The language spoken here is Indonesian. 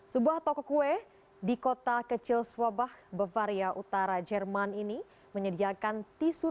sebuah toko kue di kota kecil swabah bavaria utara jerman ini menyediakan tisu